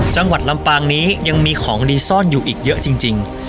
จังหวัดลำปางนี้ยังมีของดีซ่อนอยู่อีกเยอะจริง